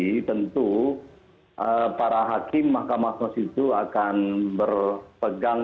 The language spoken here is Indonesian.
jadi tentu para hakim mahkamah konstitusi akan berpegangan